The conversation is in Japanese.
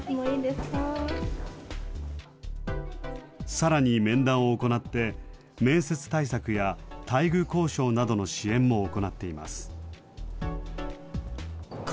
さらに面談を行って、面接対策や待遇交渉などの支援も行っています。